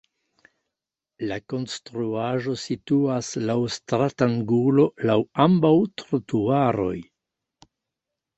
La konstruaĵo situas laŭ stratangulo laŭ ambaŭ trotuaroj.